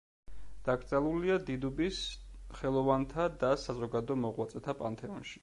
დაკრძალულია დიდუბის ხელოვანთა და საზოგადო მოღვაწეთა პანთეონში.